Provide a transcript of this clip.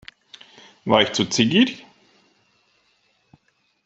War ich zu zickig?